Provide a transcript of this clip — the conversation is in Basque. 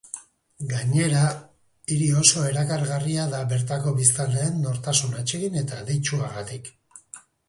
Gainera, hiri oso erakargarria da bertako biztanleen nortasun atsegin eta adeitsuagatik.